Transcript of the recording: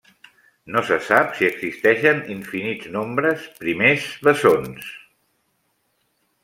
No se sap si existeixen infinits nombres primers bessons.